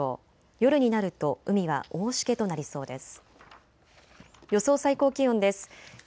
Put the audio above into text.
夜になると海は大しけとなりそうです。